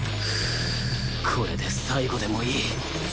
これで最後でもいい